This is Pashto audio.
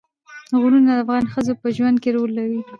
غرونه د افغان ښځو په ژوند کې رول لري.